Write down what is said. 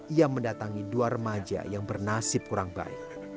ia mendatangi dua remaja yang bernasib kurang baik